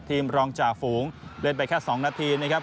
รองจ่าฝูงเล่นไปแค่๒นาทีนะครับ